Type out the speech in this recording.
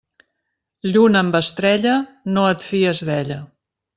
Lluna amb estrella, no et fies d'ella.